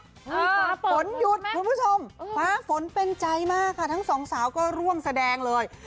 ฝนหยุดมั้ยฝนหยุดคุณผู้ชมฝนเป็นใจมากค่ะทั้งสองสาวก็ร่วงแสดงเลย